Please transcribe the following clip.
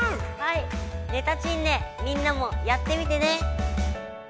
ネタチンネみんなもやってみてね！